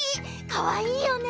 かわいいよね。